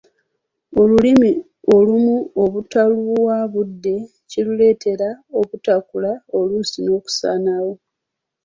Olulimi olumu obutaluwa budde kiruleetera obutakula oluusi n'okusaanawo.